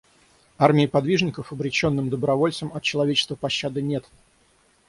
Армии подвижников, обреченным добровольцам от человека пощады нет!